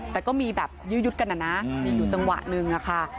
แต่ก็มีแบบยื้อยุดกันนะนะมีอยู่จังหวะหนึ่งอะค่ะ